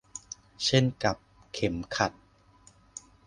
เช่นกับเข็มขัด